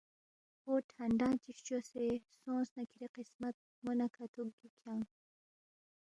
غُوٹ ہنڈانگ چی فچوسے، سونگس نہ کِھری قسمت مو نہ کھا تُھوک گِک کھیانگ